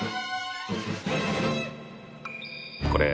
これ。